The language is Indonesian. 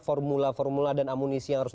formula formula dan amunisi yang harus